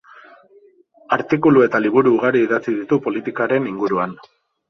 Artikulu eta liburu ugari idatzi ditu politikaren inguruan.